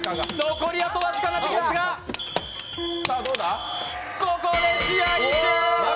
残りあと僅かになってきましたが、ここで試合終了。